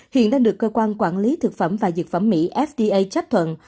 hiện đang được cơ quan quản lý thực phẩm và dược phẩm mỹ fda chấp thuận